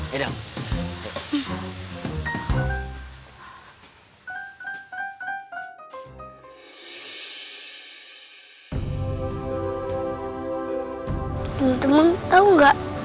teman teman tau gak